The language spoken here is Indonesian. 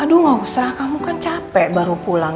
aduh gak usah kamu kan capek baru pulang